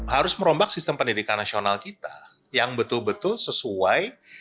harus merombak sistem pendidikan nasional kita yang betul betul sesuai